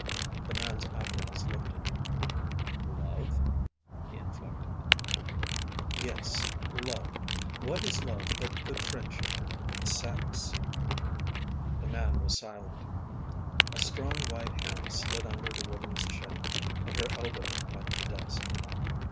The man's eyebrows lifted. "Love?" he inflected. "Yes, love. What is love but good friendship and sex?" The man was silent. A strong white hand slid under the woman's chin and her elbow met the desk.